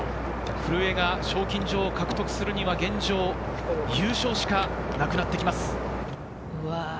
古江が賞金女王を獲得するには、現状、優勝しかなくなってきます。